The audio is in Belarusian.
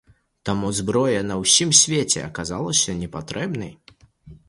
Таму зброя на ўсім свеце аказалася непатрэбнай.